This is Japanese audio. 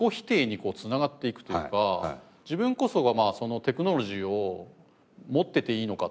自分こそがそのテクノロジーを持っていていいのかというか。